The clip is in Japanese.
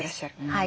はい。